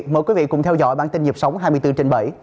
mời quý vị cùng theo dõi bản tin nhịp sống hai mươi bốn trên bảy